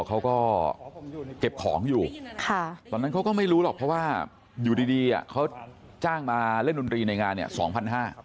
เขาก็เก็บของอยู่ตอนนั้นเขาก็ไม่รู้หรอกเพราะว่าอยู่ดีเขาจ้างมาเล่นดนตรีในงานเนี่ย๒๕๐๐บาท